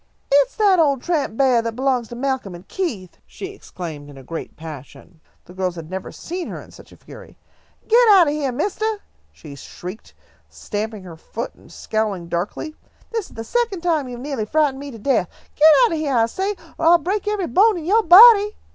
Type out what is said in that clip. "It's that old tramp beah that belongs to Malcolm and Keith," she exclaimed, in a great passion. The girls had never seen her in such a fury. "Get out of heah, mistah!" she shrieked, stamping her foot and scowling darkly. "This is the second time you have neahly frightened me to death! Get out of heah, I say, or I'll break every bone in yo' body!"